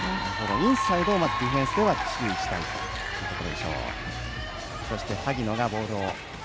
インサイドをディフェンスでは注意したいところ。